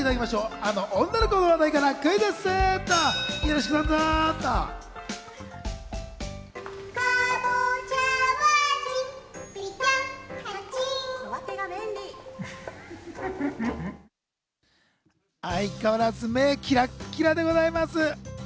あの女の子の話題か相変わらず目キラキラでございます。